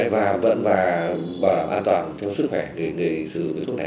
và vẫn bảo đảm an toàn cho sức khỏe người sử dụng thuốc này